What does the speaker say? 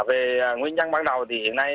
về nguyên nhân ban đầu thì hiện nay